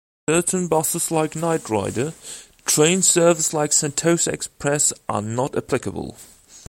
Certain buses like Night Rider, train service like Sentosa Express are not applicable.